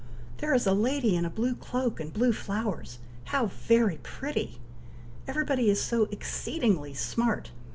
There is a lady in a blue cloak and blue flowers! how very pretty! Everybody is so exceedingly smart!